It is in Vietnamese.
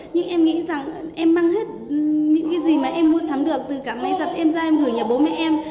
nhưng em nghĩ rằng em mang hết những cái gì mà em mua sắm được từ cả máy giặt em ra em gửi nhà bố mẹ em